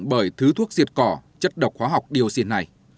bởi thứ thuốc diệt cỏ chất độc hóa học dioxin này